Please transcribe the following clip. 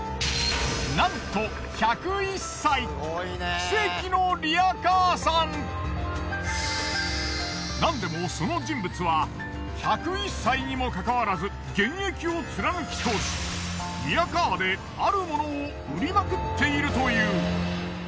なんと１０１歳なんでもその人物は１０１歳にも関わらず現役を貫き通しリヤカーである物を売りまくっているという。